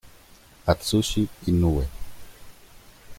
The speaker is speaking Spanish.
Atsushi Inoue